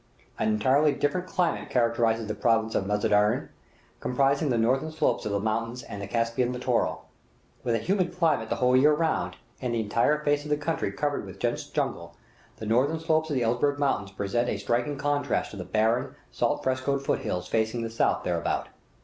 An entirely different climate characterizes the Province of Mazanderan, comprising the northern slopes of these mountains and the Caspian littoral. With a humid climate the whole year round, and the entire face of the country covered with dense jungle, the northern slopes of the Elburz Mountains present a striking contrast to the barren, salt frescoed foot hills facing the south hereabout.